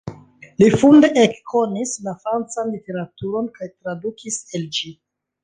Li funde ekkonis la francan literaturon kaj tradukis el ĝi.